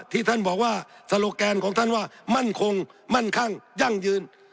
ที่ท่านบอกว่าโลแกนของท่านว่ามั่นคงมั่นคั่งยั่งยืน